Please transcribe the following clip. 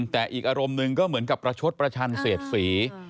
แต่อีกอารมณ์หนึ่งก็เหมือนกับประชดประชันเสียดสี